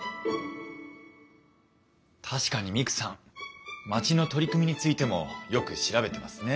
確かにミクさん町の取り組みについてもよく調べてますね。